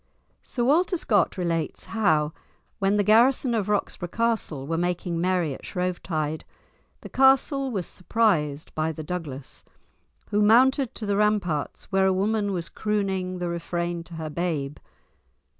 Sir Walter Scott relates how, when the garrison of Roxburgh Castle were making merry at Shrovetide, the castle was surprised by the Douglas, who mounted to the ramparts where a woman was crooning the refrain to her babe.